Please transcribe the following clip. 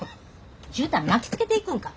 じゅうたん巻きつけていくんか。